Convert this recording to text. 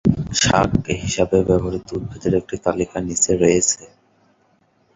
শাক হিসাবে ব্যবহৃত উদ্ভিদের একটি তালিকা নিচে রয়েছে।